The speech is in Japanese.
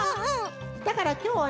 だからきょうはね